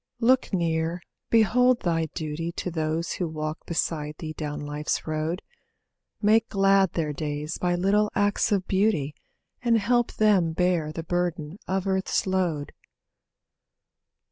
Look near, behold thy duty To those who walk beside thee down life's road. Make glad their days by little acts of beauty And help them bear the burden of earth's load.